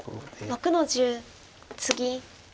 白６の十ツギ。